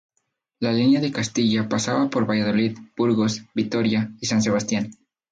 La línea de Castilla pasaba por Valladolid, Burgos, Vitoria y San Sebastián.